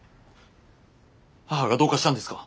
母がどうかしたんですか？